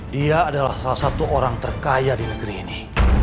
dia adalah salah satu orang terkaya di negeri ini